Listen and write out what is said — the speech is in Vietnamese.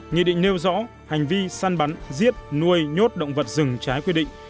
nghị định nêu rõ hành vi săn bắn giết nuôi nhốt động vật rừng trái quy định